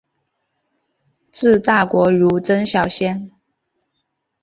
治大国如烹小鲜。